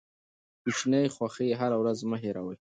کوچني خوښۍ هره ورځ مه هېروئ.